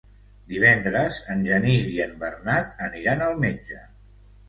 Divendres en Genís i en Bernat aniran al metge.